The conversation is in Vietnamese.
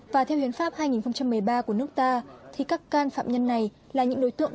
và theo hiến pháp hai nghìn một mươi ba của nước ta thì các can phạm nhân này là những đối tượng